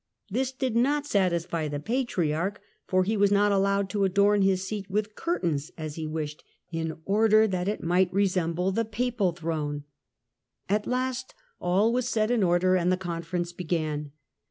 This did not satisfy the Patriarch, for he was not allowed to adorn his seat with curtains as he wished, in order that it might 176 THE END OF THE MIDDLE AGE resemble the Papal throne. At last all was set in order and the conference began.